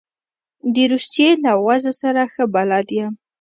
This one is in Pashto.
د روسیې له وضع سره ښه بلد یم.